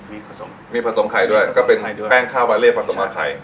มีผสมมีผสมไข่ด้วยก็เป็นแป้งข้าวบาเลผสมไข่